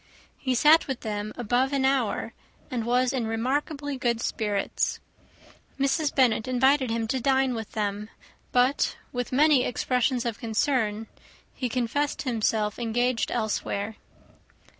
He sat with them above an hour, and was in remarkably good spirits. Mrs. Bennet invited him to dine with them; but, with many expressions of concern, he confessed himself engaged elsewhere.